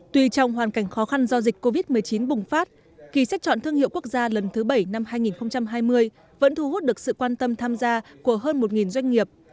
tuy trong hoàn cảnh khó khăn do dịch covid một mươi chín bùng phát kỳ sách chọn thương hiệu quốc gia lần thứ bảy năm hai nghìn hai mươi vẫn thu hút được sự quan tâm tham gia của hơn một doanh nghiệp